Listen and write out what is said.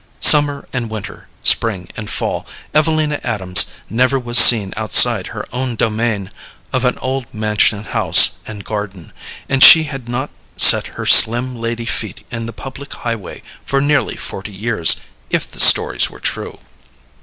Summer and winter, spring and fall, Evelina Adams never was seen outside her own domain of old mansion house and garden, and she had not set her slim lady feet in the public highway for nearly forty years, if the stories were true.